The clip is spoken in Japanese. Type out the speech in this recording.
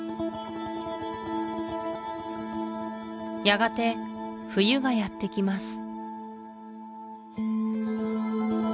やがて冬がやってきます